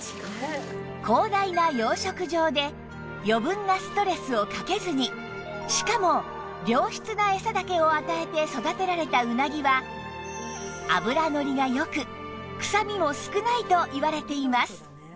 広大な養殖場で余分なストレスをかけずにしかも良質な餌だけを与えて育てられたうなぎは脂のりが良くくさみも少ないといわれています